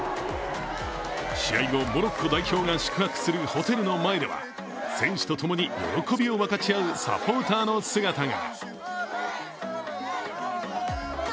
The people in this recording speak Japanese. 試合後、モロッコ代表が宿泊するホテルの前では選手と共に喜びを分かち合うサポーターの姿が。